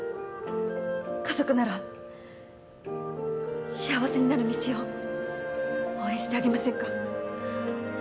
家族なら幸せになる道を応援してあげませんか？